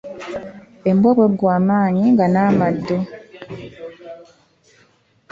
Embwa bw’eggwa amaanyi nga n’amaddu.